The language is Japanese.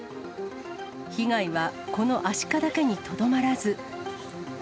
被害はこのアシカだけにとどまらず。